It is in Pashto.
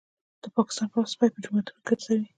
د پاکستان پوځ سپي په جوماتونو کي ګرځوي